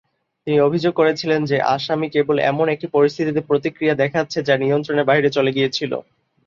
তিনি অভিযোগ করেছিলেন যে আসামী কেবল এমন একটি পরিস্থিতিতে প্রতিক্রিয়া দেখাচ্ছে যা নিয়ন্ত্রণের বাইরে চলে গিয়েছিল।